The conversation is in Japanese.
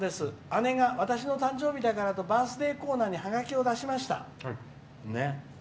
姉が私の誕生日だからとバースデーコーナーにハガキを出しました」。